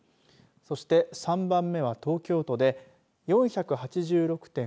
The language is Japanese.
そして、３番目は東京都で４８６．５０人。